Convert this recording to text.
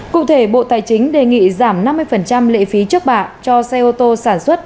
cụ thể bộ tài chính đề nghị giảm năm mươi lệ phí trước bạ cho xe ô tô sản xuất